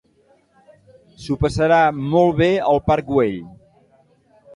S'ho passarà molt bé al Parc Güell.